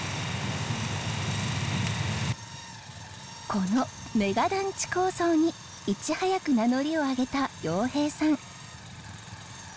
このメガ団地構想にいち早く名乗りを上げた洋平さん。